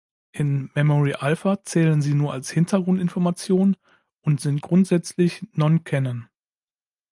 In Memory Alpha zählen sie nur als Hintergrundinformation und sind grundsätzlich "Non-Canon".